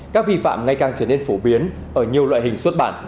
các vi phạm ngày càng trở nên phổ biến ở nhiều loại hình xuất bản